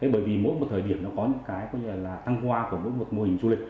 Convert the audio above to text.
bởi vì mỗi một thời điểm nó có những cái tăng hoa của mỗi một mô hình du lịch